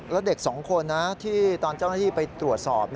แล้วเด็กสองคนนะที่ตอนเจ้าหน้าที่ไปตรวจสอบ